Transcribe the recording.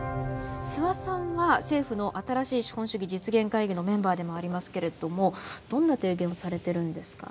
諏訪さんは政府の新しい資本主義実現会議のメンバーでもありますけれどもどんな提言をされてるんですか？